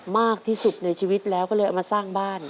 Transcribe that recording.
มากที่สุดในชีวิตแล้วก็เลยเอามาสร้างบ้าน